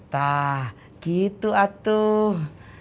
tak gitu atuh